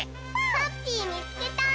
ハッピーみつけた！